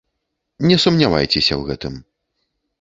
Не сумнявайцеся ў гэтым.